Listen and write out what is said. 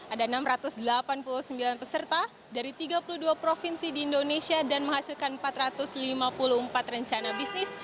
ada enam ratus delapan puluh sembilan peserta dari tiga puluh dua provinsi di indonesia dan menghasilkan empat ratus lima puluh empat rencana bisnis